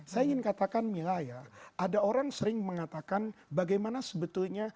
saya ingin katakan mila ya ada orang sering mengatakan bagaimana sebetulnya